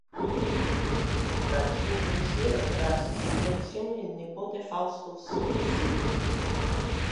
Dal suo pensiero trasse ispirazione il nipote Fausto Sozzini.